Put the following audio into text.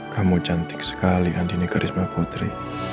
kamu cantik sekali andini karisma putri